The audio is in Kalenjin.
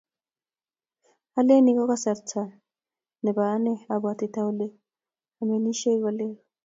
alen ni ko kasarta nebo ane abwaitita ole amenishei kolel